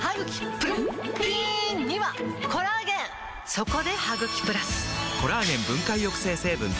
そこで「ハグキプラス」！コラーゲン分解抑制成分ダブル配合で